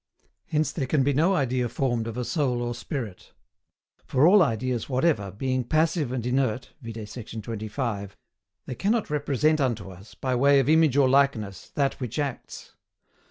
Hence there can be no idea formed of a soul or spirit; for all ideas whatever, being passive and inert (vide sect. 25), they cannot represent unto us, by way of image or LIKENESS, that which acts.